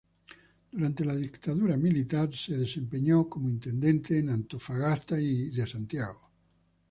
Durante la dictadura militar se desempeñó como intendente de Antofagasta y de Santiago.